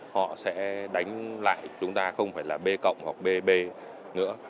họ sẽ đánh lại chúng ta không phải là b cộng hoặc bb nữa